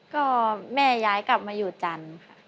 ก็แม่ย้ายกลับมาอยู่จันทร์ค่ะ